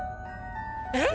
えっ？